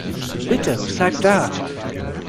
Bitte, bleib da.